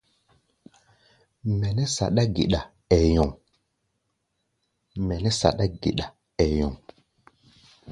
Mɛ mɛ́ saɗá-geɗa, ɛɛ nyɔŋ.